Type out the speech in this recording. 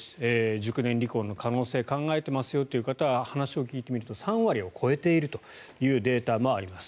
熟年離婚の可能性考えていますよという方話を聞いてみると３割を超えているというデータもあります。